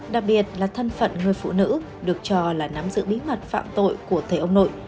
đặc biệt là thân phận người phụ nữ được cho là nắm giữ bí mật phạm tội của thầy ông nội